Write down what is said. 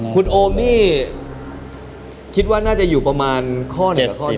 คุณโอมนี่คิดว่าน่าจะอยู่ประมาณข้อหนึ่งข้อนี้